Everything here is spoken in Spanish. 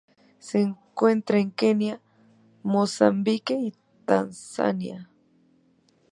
Se encuentra en Kenia, Mozambique y Tanzania.